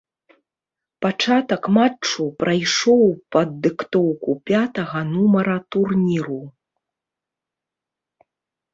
Пачатак матчу прайшоў пад дыктоўку пятага нумара турніру.